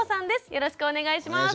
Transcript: よろしくお願いします。